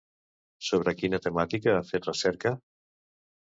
Sobre quina temàtica ha fet recerca?